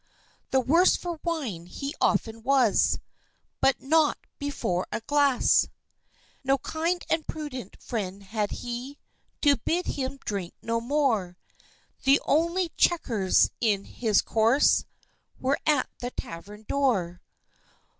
The worse for wine he often was, But not "before a glass." No kind and prudent friend had he To bid him drink no more, The only chequers in his course Where at a tavern door!